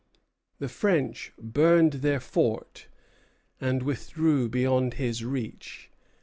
The French burned their fort, and withdrew beyond his reach.